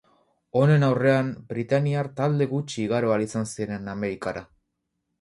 Honen aurrean, britaniar talde gutxi igaro ahal izan ziren Amerikara.